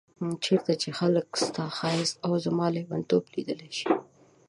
چيرته چي خلګ ستا ښايست او زما ليونتوب ليدلی شي